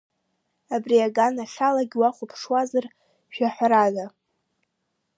Абри аганахьалагьы уахәаԥшуазар, жәаҳәарада…